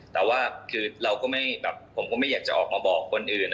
แต่ว่าคือเราก็ไม่แบบผมก็ไม่อยากจะออกมาบอกคนอื่น